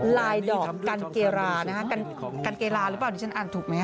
ลายดอกกัลเกลาอยู่กัลเกลาหรือเปล่านี่ฉันอ่านถูกไหม